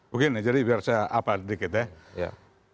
mungkin ya jadi biar saya apalagi dikit ya